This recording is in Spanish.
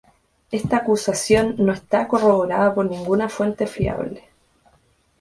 Esta acusación no está corroborada por ninguna fuente fiable.